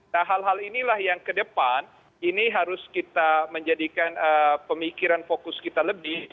nah hal hal inilah yang ke depan ini harus kita menjadikan pemikiran fokus kita lebih